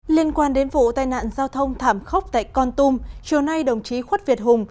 liên quan đến vụ tai nạn giao thông thảm khốc tại con tum chiều nay đồng chí khuất việt hùng